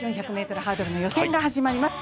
４００ｍハードルの予選が始まります。